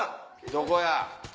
どこや？